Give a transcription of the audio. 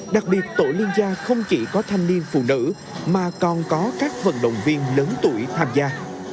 đặc biệt tổ liên gia không chỉ có thanh niên phụ nữ mà còn có các vận động viên lớn tuổi tham gia